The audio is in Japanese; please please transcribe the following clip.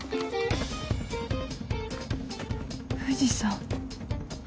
藤さん。